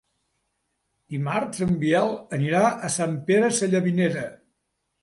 Dimarts en Biel anirà a Sant Pere Sallavinera.